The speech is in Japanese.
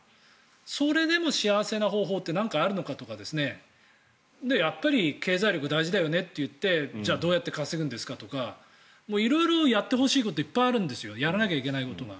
それでも幸せな方法って何かあるのかとかやっぱり経済力が大事だよねといってじゃあどうやって稼ぐんですかとか色々やってほしいことはいっぱいあるんですよやらなきゃいけないことが。